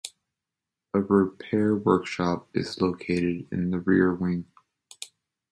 A repair workshop is located in the rear wing.